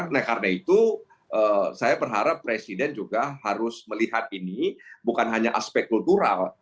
nah karena itu saya berharap presiden juga harus melihat ini bukan hanya aspek kultural